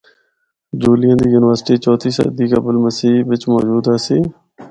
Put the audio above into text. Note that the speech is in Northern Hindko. جولیاں دی یونیورسٹی چوتھی صدی قبل مسیح بچ موجود آسی۔